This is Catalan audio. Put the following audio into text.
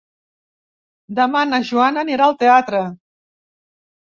Demà na Joana anirà al teatre.